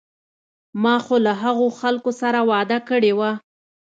ما خو له هغو خلکو سره وعده کړې وه.